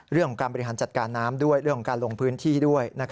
เรื่องของการบริหารจัดการน้ำด้วยเรื่องของการลงพื้นที่ด้วย